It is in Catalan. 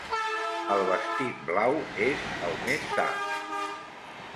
El vestit blau és el més sa.